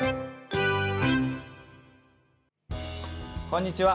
こんにちは。